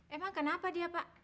emang kenapa dia pak